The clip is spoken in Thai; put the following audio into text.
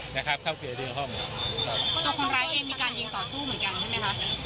มีการยิงต่อสู้เหมือนกันใช่ไหมครับ